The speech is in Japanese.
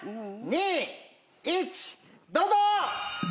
どうぞ！